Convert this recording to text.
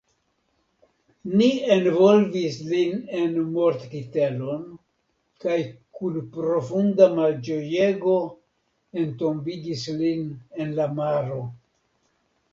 Ni envolvis lin en mortkitelon, kaj kun profunda malĝojego, entombigis lin en la maro.